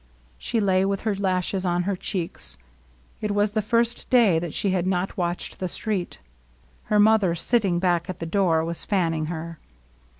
She lay with her lashes on her cheeks. It was the first day that she had not watched the street. Her mother, sitting back at the door, was fanning her.